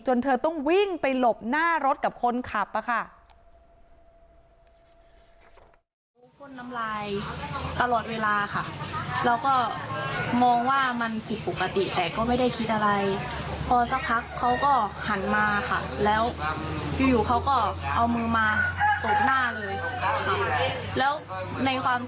เธอต้องวิ่งไปหลบหน้ารถกับคนขับค่ะ